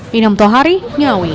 minum toh hari ngawi